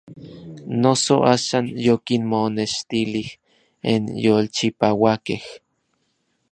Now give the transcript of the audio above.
Noso axan yokinmonextilij n yolchipauakej.